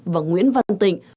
và nguyễn văn tịnh